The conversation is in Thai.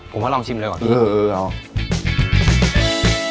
ผมว่ารองชิมเลยก่อน